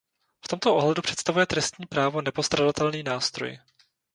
V tomto ohledu představuje trestní právo nepostradatelný nástroj.